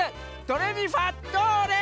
ドレミファどれ？」